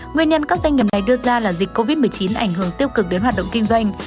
nguyên nhân các doanh nghiệp này đưa ra là dịch covid một mươi chín ảnh hưởng tiêu cực đến hoạt động kinh doanh